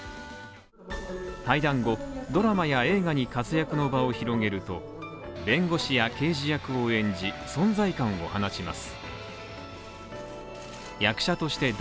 退団後、ドラマや映画に活躍の場を広げると、弁護士や刑事役を演じ、存在感を放ちます。